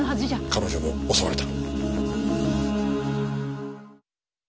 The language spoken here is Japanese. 彼女も襲われた。